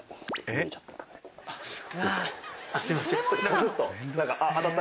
すいません。